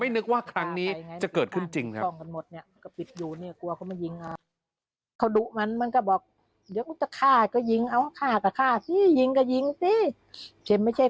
ไม่นึกว่าครั้งนี้จะเกิดขึ้นจริงนะครับช่องกันหมดเนี่ยก็ปิดอยู่เนี่ย